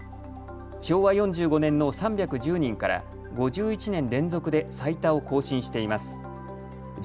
昭和４５年の３１０人から５１年連続で最多を更新しています。